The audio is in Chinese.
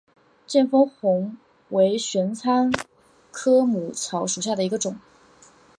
见风红为玄参科母草属下的一个种。